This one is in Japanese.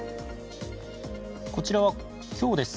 こちらは、今日です。